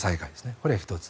これが１つ。